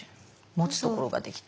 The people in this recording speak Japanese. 持つところができて。